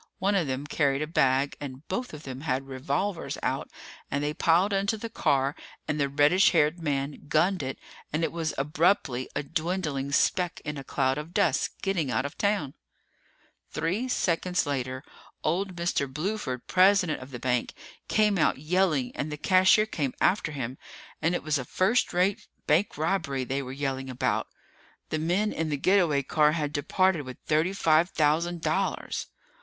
One of them carried a bag and both of them had revolvers out and they piled into the car and the reddish haired man gunned it and it was abruptly a dwindling speck in a cloud of dust, getting out of town. Three seconds later, old Mr. Bluford, president of the bank, came out yelling, and the cashier came after him, and it was a first rate bank robbery they were yelling about. The men in the get away car had departed with thirty five thousand dollars.